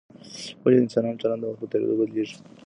ولي د انسانانو چلند د وخت په تېرېدو بدلیږي؟